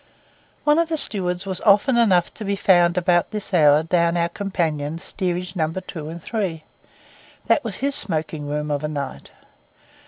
One of the stewards was often enough to be found about this hour down our companion, Steerage No. 2 and 3; that was his smoking room of a night.